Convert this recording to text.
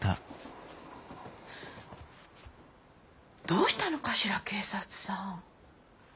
どうしたのかしら警察さん。